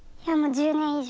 １０年以上。